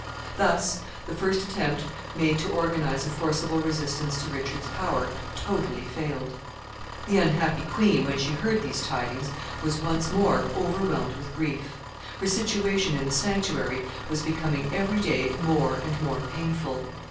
Thus the first attempt made to organize a forcible resistance to Richard's power totally failed. The unhappy queen, when she heard these tidings, was once more overwhelmed with grief. Her situation in the sanctuary was becoming every day more and more painful.